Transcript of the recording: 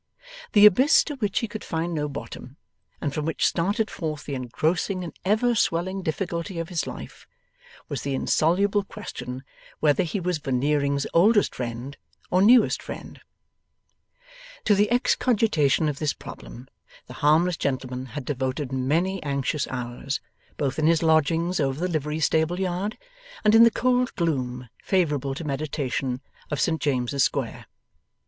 The abyss to which he could find no bottom, and from which started forth the engrossing and ever swelling difficulty of his life, was the insoluble question whether he was Veneering's oldest friend, or newest friend. To the excogitation of this problem, the harmless gentleman had devoted many anxious hours, both in his lodgings over the livery stable yard, and in the cold gloom, favourable to meditation, of Saint James's Square.